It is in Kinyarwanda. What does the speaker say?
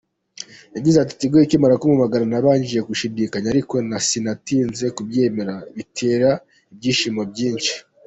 Yagize ati “Tigo ikimara kumpamagara nabanje gushidikanya, ariko sinatinze kubyemera, bintera ibyishimo byinshi.